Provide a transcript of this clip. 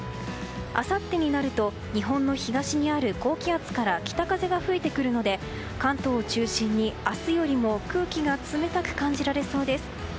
あさってになると日本の東にある高気圧から北風が吹いてくるので関東を中心に明日よりも空気が冷たく感じられそうです。